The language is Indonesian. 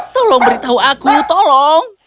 tolong beritahu aku tolong